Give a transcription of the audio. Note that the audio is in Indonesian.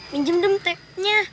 minjem dem tap nya